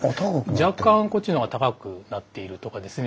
若干こっちのが高くなっているとかですね